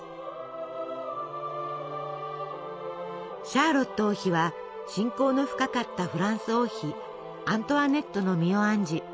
シャーロット王妃は親交の深かったフランス王妃アントワネットの身を案じ